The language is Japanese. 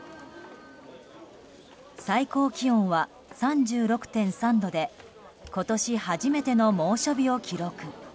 最高気温は３６．３度で今年初めての猛暑日を記録。